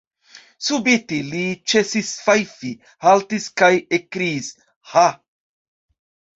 Subite li ĉesis fajfi, haltis kaj ekkriis: ha!